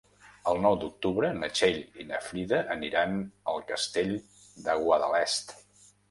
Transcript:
El nou d'octubre na Txell i na Frida aniran al Castell de Guadalest.